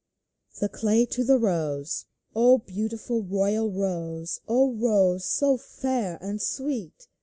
THE CLAY TO THE ROSE 0 BEAUTIFUL, royal Rose, 0 Rose, so fair and sweet